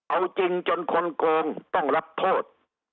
เอาจริงจนคนโกงต้องรับโทษ